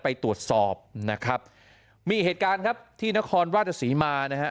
ไปตรวจสอบนะครับมีเหตุการณ์ครับที่นครราชสีมานะฮะ